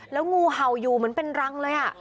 แล้วงูเห่าอยู่เหมือนเป็นรังเลย